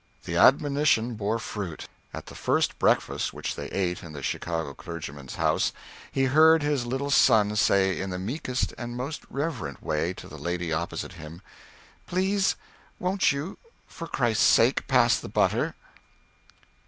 The admonition bore fruit. At the first breakfast which they ate in the Chicago clergyman's house he heard his little son say in the meekest and most reverent way to the lady opposite him, "Please, won't you, for Christ's sake, pass the butter?"